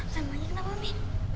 sama aja kenapa mi